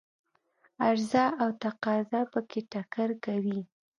عرضه او تقاضا په کې ټکر کوي.